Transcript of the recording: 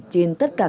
trên tất cả các nơi